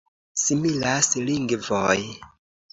Similas lingvoj.